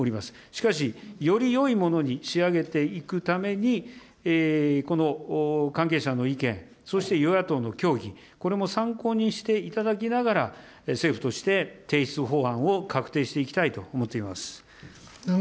しかし、よりよいものに仕上げていくために、関係者の意見、そして与野党の協議、これも参考にしていただきながら、政府として提出法案を確定していきたいと思っています。